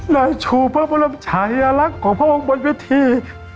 ได้ชูพระบรมชายลักษณ์ของพระองค์บนวิธี